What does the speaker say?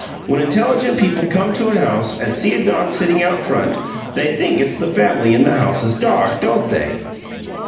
When intelligent people come to a house and see a dog sitting out in front, they think it's the family in the house's dog, don't they?"